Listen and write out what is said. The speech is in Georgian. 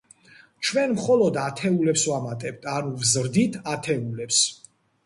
ჩვენ მხოლოდ ათეულებს ვამატებთ, ანუ ვზრდით ათეულებს.